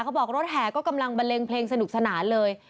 เขาบอกรถแหกำลังบันเลงเพลงสนุกสนานเลย